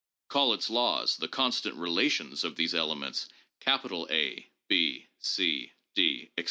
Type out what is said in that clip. Call its laws, the constant relations of these elements, A, B, C, D, etc.